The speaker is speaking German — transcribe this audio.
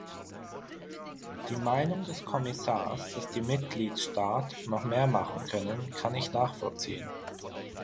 Die Meinung des Kommissars, dass die Mitgliedstaat noch mehr machen können, kann ich nachvollziehen.